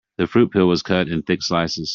The fruit peel was cut in thick slices.